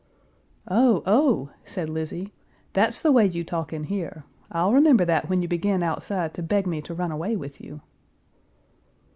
"Oh, oh!" said Lizzie, "that's the way you talk in here. I'll remember that when you begin outside to beg me to run away with you."